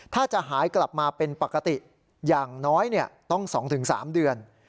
ถ้าจะหายกลับมาเป็นปกติอย่างน้อยต้อง๒๓เดือน